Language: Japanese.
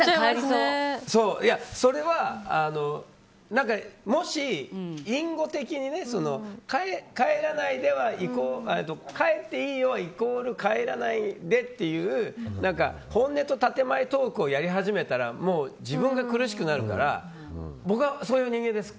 それは、もし隠語的に帰っていいよイコール帰らないでっていう本音と建て前トークをやり始めたら自分が苦しくなるから僕はそういう人間です。